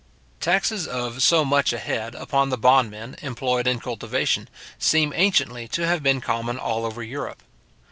Taxes of so much a head upon the bondmen employed in cultivation, seem anciently to have been common all over Europe.